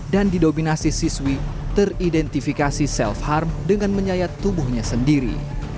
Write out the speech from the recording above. dan didominasi siswi teridentifikasi self harm dengan menyayat tubuhnya sendiri